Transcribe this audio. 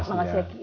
ya makasih ya